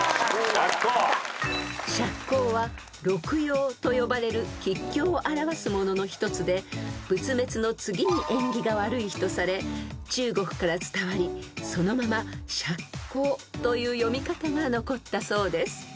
［赤口は六曜と呼ばれる吉凶を表すものの一つで仏滅の次に縁起が悪い日とされ中国から伝わりそのまま「しゃっこう」という読み方が残ったそうです］